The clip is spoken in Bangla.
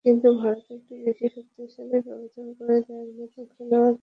কিন্তু ভারত একটু বেশিই শক্তিশালী, ব্যবধান গড়ে দেওয়ার মতো খেলোয়াড় তাদের অনেক।